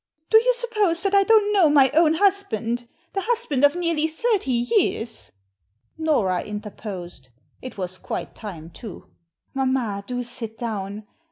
Do you suppose that I don't know my own husband — the husband of nearly thirty years ?" Nora interposed. It was quite time, too. ''Mamma, do sit down.